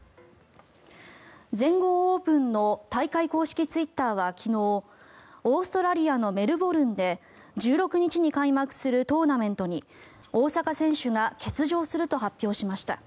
全豪オープンの大会公式ツイッターは昨日オーストラリアのメルボルンで１６日に開幕するトーナメントに大坂選手が欠場すると発表しました。